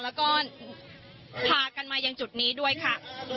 แล้วก็พากันมายังจุดนี้ด้วยค่ะ